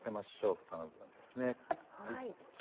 房の部分ですね。